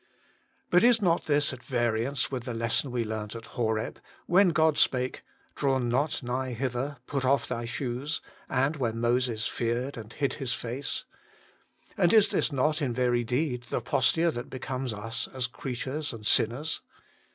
But is not this at variance with the lesson we learnt at Horeb, when God spake, ' Draw not nigh hither : put off thy shoes,' and where Moses feared and hid his face ? And is not this in very deed the posture that becomes us as creatures and sinners